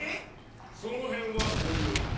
その辺はおいおいだ。